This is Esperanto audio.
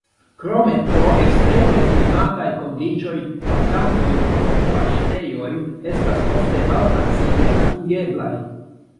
Krome pro ekstremaj klimataj kondiĉoj la kampoj aŭ paŝtejoj estas ofte malfacile atingeblaj.